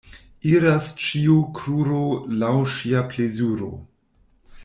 Iras ĉiu kruro laŭ sia plezuro.